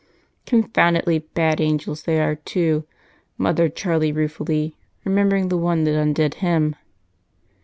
"Confoundedly bad angels they are too," muttered Charlie ruefully, remembering the one that undid him.